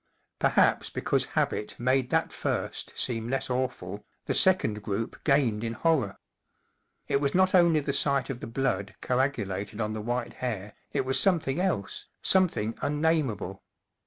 Perhaps because habit made that first seem less awful, the second group gained in horror. It was not only the sight of the blood coagu¬ lated on the white hair, it was something else, something unnamable.